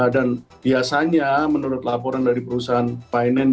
dan biasanya menurut laporan dari perusahaan finance